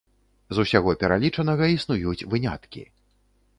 З усяго пералічанага існуюць выняткі.